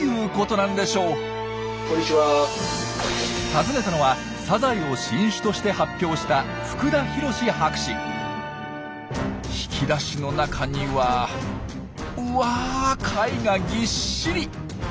訪ねたのはサザエを新種として発表した引き出しの中にはうわ貝がぎっしり！